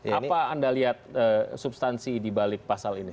apa anda lihat substansi dibalik pasal ini